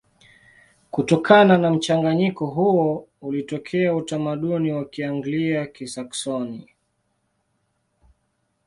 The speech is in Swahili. Kutokana na mchanganyiko huo ulitokea utamaduni wa Kianglia-Kisaksoni.